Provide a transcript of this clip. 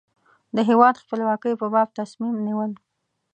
د هېواد خپلواکۍ په باب تصمیم نیول.